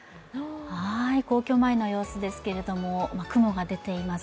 皇居前の様子ですけれども、雲が出ています。